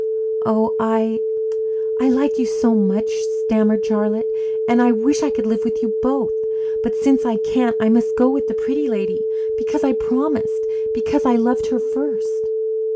"Oh, I I like you so much," stammered Charlotte, "and I wish I could live with you both. But since I can't, I must go with the Pretty Lady, because I promised, and because I loved her first."